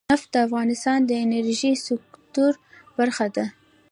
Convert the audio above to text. نفت د افغانستان د انرژۍ سکتور برخه ده.